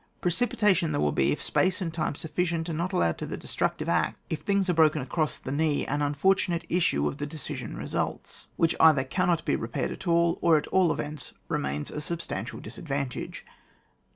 Precipitation there will be if space and time sufficient are not allowed to the destructive act, if things are broken across the knee ;* an unfortunate issue of the decision results, which either cannot be repaired at all, or at all events remains a substantial disadvantage.